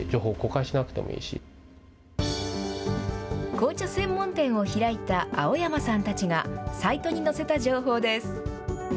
紅茶専門店を開いた青山さんたちがサイトに載せた情報です。